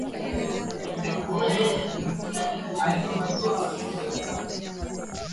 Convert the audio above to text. haujafaaulu kumshawishi aondoke bwana gbagbo